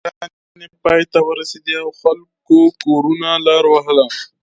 دعاګانې پای ته ورسېدې او خلکو د کورونو لار وهله.